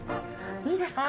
いいですか？